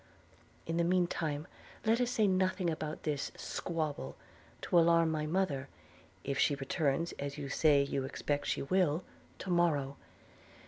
In the mean time let us say nothing about this squabble to alarm my mother, if she returns, as you say you expect she will, to morrow.